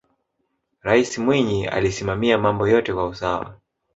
raisi mwinyi alisimamia mambo yote kwa usawa